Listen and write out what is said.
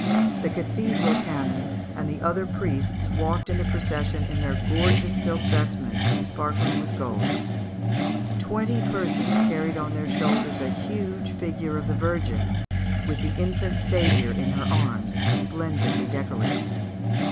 The cathedral canons and the other priests walked in the procession in their gorgeous silk vestments sparkling with gold. Twenty persons carried on their shoulders a huge figure of the Virgin, with the infant Saviour in her arms, splendidly decorated.